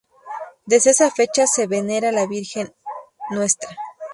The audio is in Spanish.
Desde esa fecha se venera la Virgen Ntra.